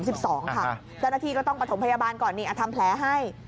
เจ้าหน้าที่ก็ต้องประถมพยาบาลก่อนทำแผลให้